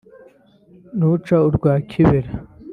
ntuca urwa kibera